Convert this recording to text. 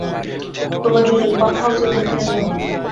তোমরা দুইজন পাম্প হাউসের দক্ষিণে যাও।